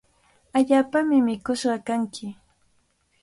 Allaapami mikush kanki.